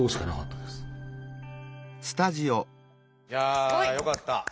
いやあよかった。